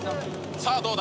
さあ、どうだ。